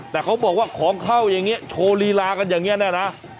แต่เขาบอกว่าของเข้าอย่างนี้โชว์ลีลากันอย่างนี้นะ